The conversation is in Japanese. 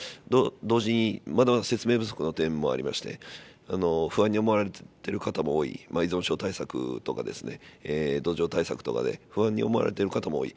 同時に、まだまだ説明不足の点もありまして、不安に思われてる方も多い、依存症対策ですとか、土壌対策とかで、不安に思われている方も多い。